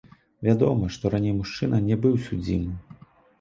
Вядома, што раней мужчына не быў судзімы.